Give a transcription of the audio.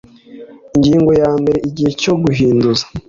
ingingo ya mbere igihe cyo guhinduza